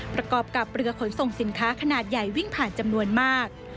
ประกอบกับเรือขนส่งสินค้าขนาดใหญ่วิ่งผ่านจำนวนมาก